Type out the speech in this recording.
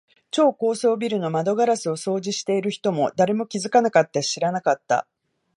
超高層ビルの窓ガラスを掃除している人も、誰も気づかなかったし、知らなかった。